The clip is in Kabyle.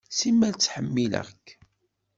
Simmal ttḥemmileɣ-k.